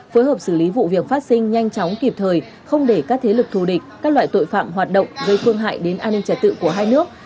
phối hợp xử lý vụ việc phát sinh nhanh chóng kịp thời không để các thế lực thù địch các loại tội phạm hoạt động gây phương hại đến an ninh trả tự của hai nước